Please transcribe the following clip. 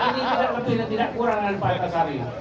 ini tidak lebih dan tidak kurang dari pak tasari